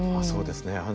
そうですね。